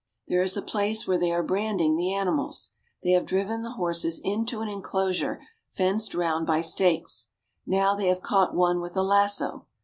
There is a place where they are branding the animals. They have driven the horses into an inclosure fenced round by stakes. Now they have caught one with a lasso.